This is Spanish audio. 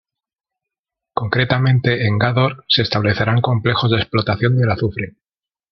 Concretamente en Gádor se establecerán complejos de explotación del azufre.